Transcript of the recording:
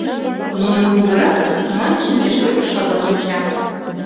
Нунын кугыракышт мыйын шинчашкем шыдын онча.